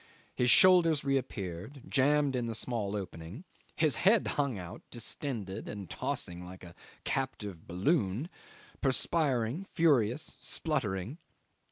His shoulders reappeared, jammed in the small opening; his head hung out, distended and tossing like a captive balloon, perspiring, furious, spluttering.